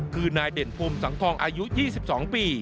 คือนายเด่นภูมิสังทองอายุ๒๒ปี